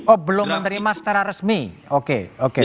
oh belum menerima secara resmi oke